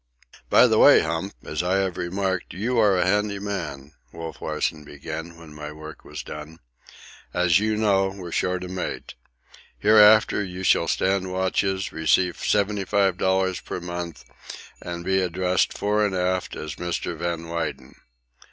"By the way, Hump, as I have remarked, you are a handy man," Wolf Larsen began, when my work was done. "As you know, we're short a mate. Hereafter you shall stand watches, receive seventy five dollars per month, and be addressed fore and aft as Mr. Van Weyden."